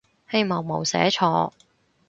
希望冇寫錯